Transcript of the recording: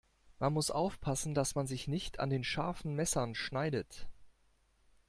Man muss aufpassen, dass man sich nicht an den scharfen Messern schneidet.